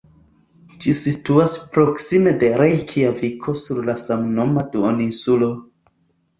Ĝi situas proksime de Rejkjaviko sur la samnoma duoninsulo.